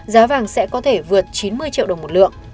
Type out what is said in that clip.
giá vàng sẽ có thể vượt chín mươi triệu đồng một lượng